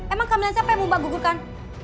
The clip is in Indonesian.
emang kamu bilang siapa yang mau mbak gugurkan